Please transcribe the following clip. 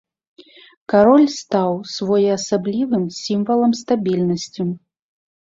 Кароль стаў своеасаблівым сімвалам стабільнасці.